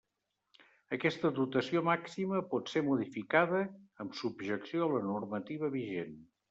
Aquesta dotació màxima pot ser modificada, amb subjecció a la normativa vigent.